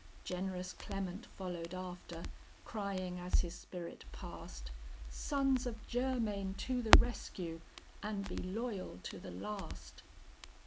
Generous Clement followed after, crying as his spirit passed, "Sons of Germain to the rescue, and be loyal to the last!"